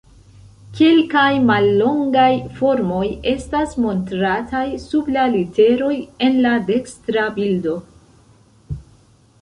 Kelkaj mallongaj formoj estas montrataj sub la literoj en la dekstra bildo.